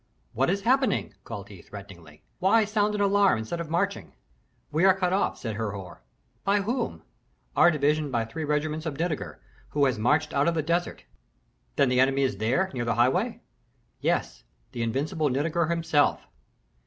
"What is happening?" called he, threateningly. "Why sound an alarm instead of marching?" "We are cut off," said Herhor. "By whom?" "Our division by three regiments of Nitager, who has marched out of the desert." "Then the enemy is there, near the highway?" "Yes, the invincible Nitager himself."